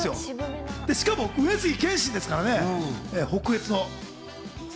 しかも上杉謙信ですからね、北越の。